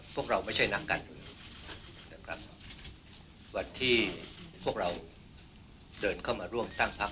พวกเราไม่ใช่นักการเมืองนะครับวันที่พวกเราเดินเข้ามาร่วมตั้งพัก